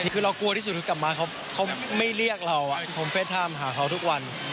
คือเรากลัวที่สุดคือกลับมาเขาไม่เรียกเราผมเฟสไทม์หาเขาทุกวัน